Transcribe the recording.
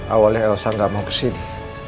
awalnya elsa gak mau ke sini